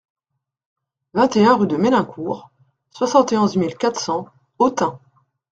vingt et un rue de Ménincourt, soixante et onze mille quatre cents Autun